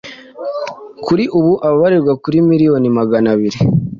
kuri ubu abarirwa kuri miliyoni maganabiri